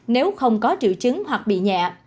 nếu không có triệu chứng hoặc bị nhẹ